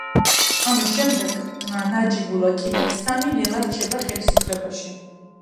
ამის შემდეგ ნაჯიბულა კიდევ სამი წელი რჩება ხელისუფლებაში.